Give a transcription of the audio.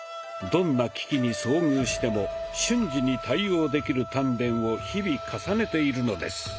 どんな危機に遭遇しても瞬時に対応できる鍛錬を日々重ねているのです。